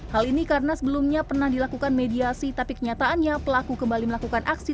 hal ini karena sebelumnya pernah dilakukan mediasi tapi kenyataannya pelaku kembali melakukan aksi